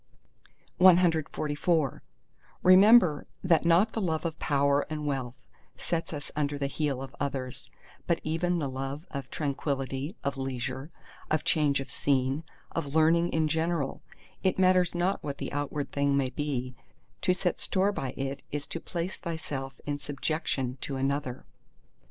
CXLV Remember that not the love of power and wealth sets us under the heel of others, but even the love of tranquillity, of leisure, of change of scene—of learning in general, it matters not what the outward thing may be—to set store by it is to place thyself in subjection to another.